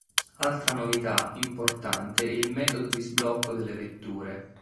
Altra novità importante è il metodo di sblocco delle vetture.